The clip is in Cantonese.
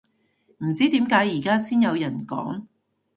唔知點解而家先有人講